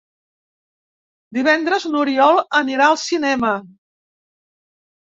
Divendres n'Oriol anirà al cinema.